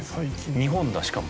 日本だしかも。